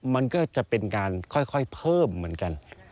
มันก็จะเป็นการค่อยเพิ่มเหมือนกัน